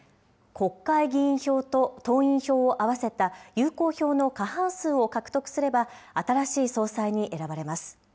国会議員票と党員票を合わせた有効票の過半数を獲得すれば、新しい総裁に選ばれます。